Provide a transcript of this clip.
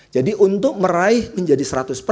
jadi untuk meraih menjadi seratus